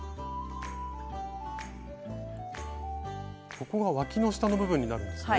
ここがわきの下の部分になるんですよね？